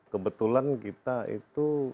kebetulan kita itu